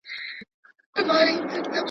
د خدای استازي تل د حق پلویان وو.